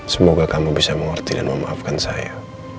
semoga kamu bisa mengerti dan memaafkan saya